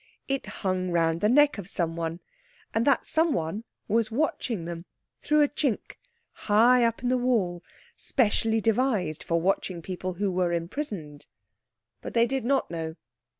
It hung round the neck of someone, and that someone was watching them through a chink, high up in the wall, specially devised for watching people who were imprisoned. But they did not know.